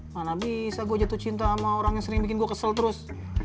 mana bisa gue jatuh cinta sama orang yang sering bikin gue kesel terus